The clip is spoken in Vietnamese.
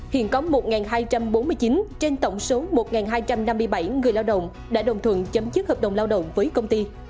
hiện có một hai trăm bốn mươi chín trên tổng số một hai trăm năm mươi bảy người lao động đã đồng thuận chấm dứt hợp đồng lao động với công ty